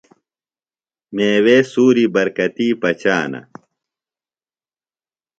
میوے سُوری برکتی پچانہ۔